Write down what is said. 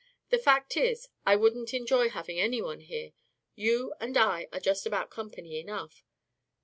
The fact is, I wouldn't enjoy having anyone here. You and I are just about company enough.